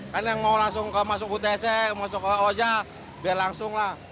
kan yang mau langsung masuk utc masuk ke oja biar langsung lah